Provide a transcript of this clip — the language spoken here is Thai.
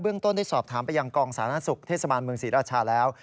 ต้นได้สอบถามไปยังกองสาธารณสุขเทศบาลเมืองศรีราชาแล้ว